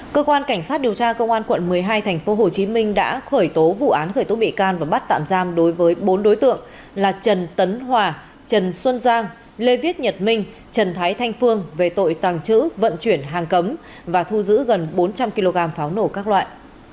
cơ quan cảnh sát điều tra công an quận một mươi hai tp hcm đã khởi tố vụ án khởi tố bị can và bắt tạm giam đối với bốn đối tượng là trần tấn hòa trần xuân giang lê viết nhật minh trần thái thanh phương về tội tàng trữ vận chuyển hàng cấm và thu giữ gần bốn trăm linh kg pháo nổ các loại